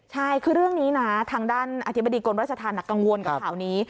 ใช่คือเรื่องนี้นะทางด้านอธิบดีกรมราชธรรมกังวลกับข่าวนี้